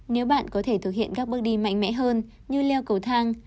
nếu bạn có thể thực hiện các bước đi mạnh mẽ hơn như leo cầu thang